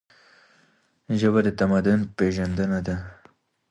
ژبه د تمدن پیژندنه ده.